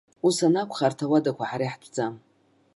Ус анакәха, арҭ ауадақәа ҳара иаҳтәӡам.